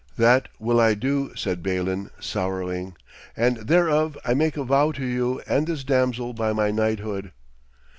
'That will I do,' said Balin, sorrowing, 'and thereof I make a vow to you and this damsel by my knighthood.'